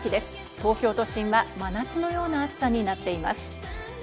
東京都心は真夏のような暑さになっています。